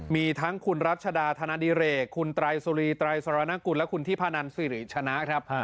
มีทั้งคุณรัชดาธนดิเรกคุณไตรสุรีไตรสรณกุลและคุณทิพนันสิริชนะครับ